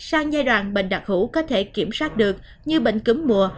sang giai đoạn bệnh đặc hữu có thể kiểm soát được như bệnh cúm mùa